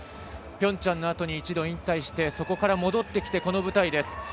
ピョンチャンのあとに一度、引退してそこから戻ってきてこの舞台です。